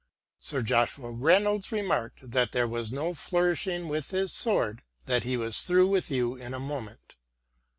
Sir Joshua Reynolds remarked that there was no flourishing with his sword, that he was through you in a moment.